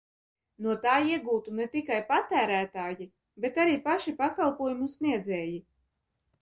No tā iegūtu ne tikai patērētāji, bet arī paši pakalpojumu sniedzēji.